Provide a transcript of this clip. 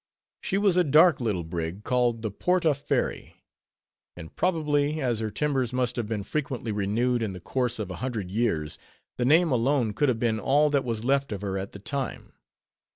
She was a dark little brig, called the Port a Ferry. And probably, as her timbers must have been frequently renewed in the course of a hundred years, the name alone could have been all that was left of her at the time.